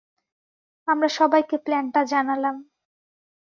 আমরা সবাইকে প্ল্যানটা জানালাম।